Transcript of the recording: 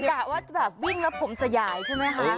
กะว่าจะแบบวิ่งแล้วผมสยายใช่ไหมคะ